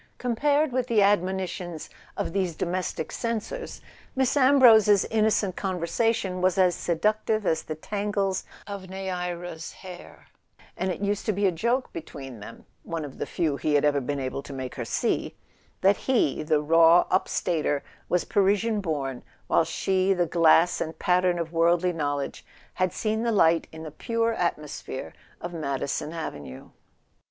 Compared with the admonitions of these domestic censors, Miss Ambrose's innocent conversation was as seductive as the tangles of Neaera's hair, and it used to be a joke between them (one of the few he had ever been able to make her see) that he, the raw up Stater, was Parisian born, while she, the glass and pattern of worldly knowledge, had seen the light in the pure at¬ mosphere of Madison Avenue.